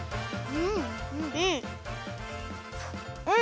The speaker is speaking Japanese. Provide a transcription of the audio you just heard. うん！